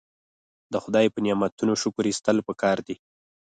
د خدای په نعمتونو شکر ایستل پکار دي.